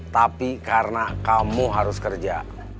tapi karena kamu harus kerja